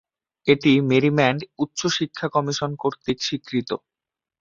এটি মেরিল্যান্ড উচ্চ শিক্ষা কমিশন কর্তৃক স্বীকৃত।